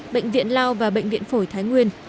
bệnh viện lao và bệnh viện phổi thái nguyên